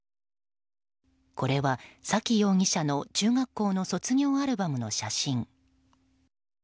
これは沙喜容疑者の中学校の卒業アルバムの写真。